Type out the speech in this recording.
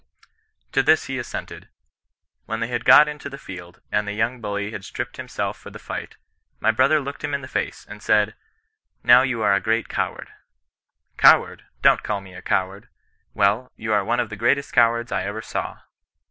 ^^ To this he assented. When they had got into the field, and the young bully had stripped himself for the fight, my brother looked him in the face, and said, ' Now CHBI8TIAN NON KESISTANCB. 103 you are a great coward.' ' Coward ! don't call me a coward.' * Well, you are one of the greatest cowards I ever saw.'